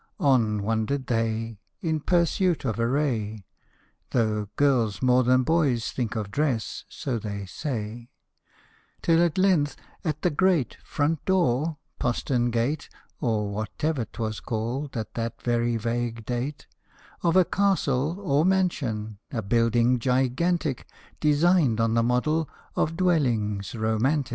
On wandered they In pursuit of a ray (Though girls more than boys think of dress, so they say) ; Till at length at the great Front door, postern gate (Or whatever 'twas called at that very vague date), Of a castle, or mansion, a building gigantic, Designed on the model of dwellings romantic si.